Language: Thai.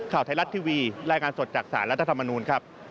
ข่าวไทยรัฐทีวีรายงานสดจากสารรัฐธรรมนูลครับ